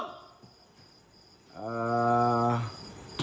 อิฐไมร์